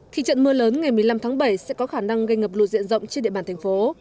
thì trận mưa lớn ngày một mươi năm tháng bảy sẽ có khả năng gây ngập lụt diện rộng trên địa bàn thành phố